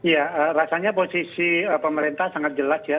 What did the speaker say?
ya rasanya posisi pemerintah sangat jelas ya